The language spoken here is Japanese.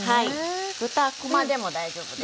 豚こまでも大丈夫です。